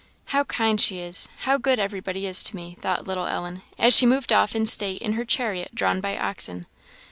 "How kind she is! how good every body is to me!" thought little Ellen, as she moved off in state in her chariot drawn by oxen.